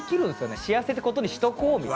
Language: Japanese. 幸せってことにしとこうみたいに。